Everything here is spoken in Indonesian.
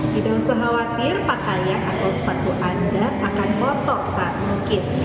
tidak usah khawatir pakaian atau sepatu anda akan kotor saat melukis